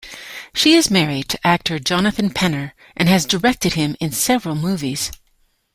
She is married to actor Jonathan Penner and has directed him in several movies.